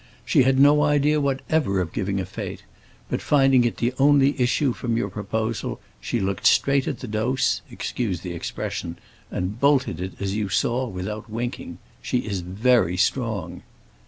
She had no idea whatever of giving a fête, but finding it the only issue from your proposal, she looked straight at the dose—excuse the expression—and bolted it, as you saw, without winking. She is very strong."